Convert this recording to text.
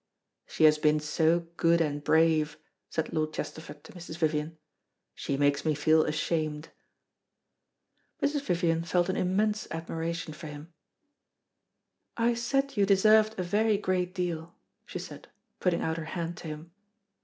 "She has been so good and brave," said Lord Chesterford to Mrs. Vivian, "she makes me feel ashamed." Mrs. Vivian felt an immense admiration for him. "I said you deserved a very great deal," she said, putting out her hand to him.